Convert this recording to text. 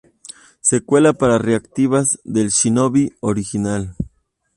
Secuela para recreativas del "Shinobi" original.